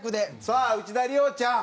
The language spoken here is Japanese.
さあ内田理央ちゃん。